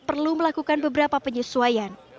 perlu melakukan beberapa penyesuaian